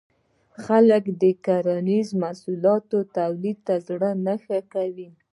خلک د کرنیزو محصولاتو تولید ته زړه نه ښه کوي.